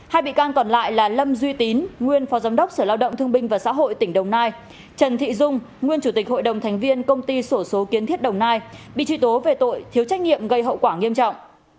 hai bị can còn lại là lâm duy tín nguyên phó giám đốc sở lao động thương binh và xã hội tỉnh đồng nai trần thị dung nguyên chủ tịch hội đồng thành viên công ty sổ số kiến thiết đồng nai bị truy tố về tội thiếu trách nhiệm gây hậu quả nghiêm trọng